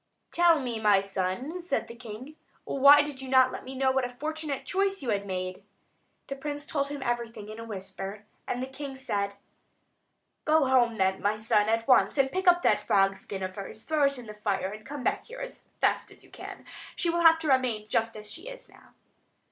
"Tell me, my son," said the king, "why you did not let me know what a fortunate choice you had made?" The prince told him everything in a whisper; and the king said: "Go home then, my son, at once, and pick up that frog skin of hers; throw it in the fire, and come back here as fast as you can. Then she will have to remain just as she is now."